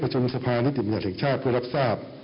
ประชุมสภานิดอิมัยแห่งชาติผู้รับทราบ